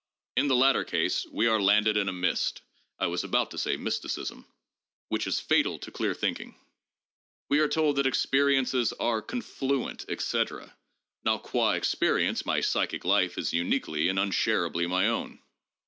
In the latter case we are landed in a mist (I was about to say 'mysticism') which is fatal to clear think ing. We are told that experiences are 'confluent,' etc Now qua experience my psychic life is uniquely and unsharably my own.